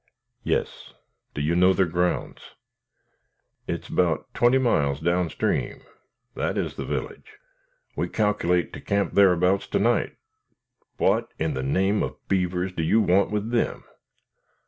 "Yes; do you know their grounds?" "I's 'bout twenty miles down stream that is the village. We cac'late to camp thereabouts to night. What, in the name of beavers, do you want with them?"